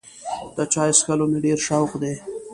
د چای څښلو مې ډېر شوق دی.